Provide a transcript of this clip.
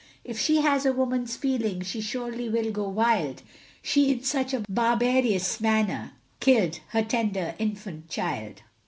If she has a woman's feelings, She surely will go wild, She in such a barbarous manner killed Her tender infant child.